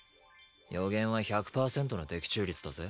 予言は１００％の的中率だぜ？